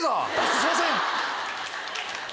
すいません！